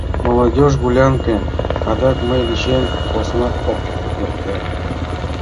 Молодежь гулянке — адак мый дечем посна ок эрте!